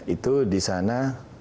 itu di sana